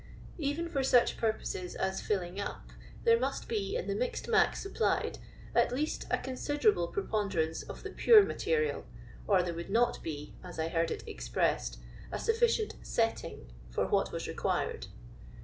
Even for such purposes as " filling up, there must be in the " mixed mac " supplied, at least a considerable preponderance of the pure material, or there would not be, as I heard it expressed, a sufficient *' setting" for what was required.